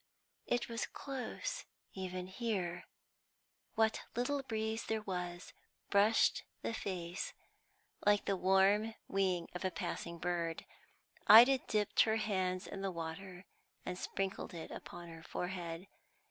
It was close even here; what little breeze there was brushed the face like the warm wing of a passing bird. Ida dipped her hands in the water and sprinkled it upon her forehead.